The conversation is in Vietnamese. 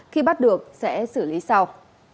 khi bắt được sẽ xử lý sau